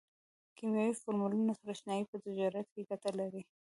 د کیمیاوي فورمولونو سره اشنایي په تجارت کې ګټه لري.